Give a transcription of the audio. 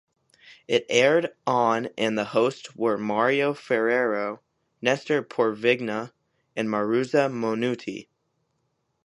It aired on and the hosts were Mario Ferreiro, Nestor Porvigna, and Maruza Monutti.